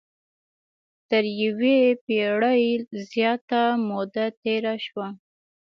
تر یوې پېړۍ زیاته موده تېره شوه.